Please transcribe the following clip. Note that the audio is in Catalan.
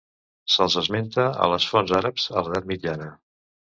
Se'ls esmenta a les fonts àrabs a l'edat mitjana.